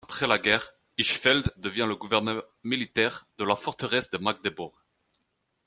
Après la guerre, Hirschfeld devient gouverneur militaire de la forteresse de Magdebourg.